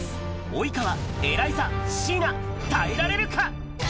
及川、エライザ、椎名、耐えられるか？